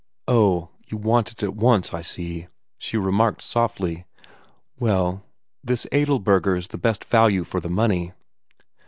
"Oh, you want it at once I see," she remarked softly. "Well, this Adelberger is the best value for the money."